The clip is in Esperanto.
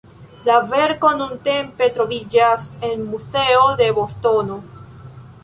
La verko nuntempe troviĝas en muzeo de Bostono.